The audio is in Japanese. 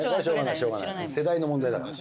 世代の問題だから。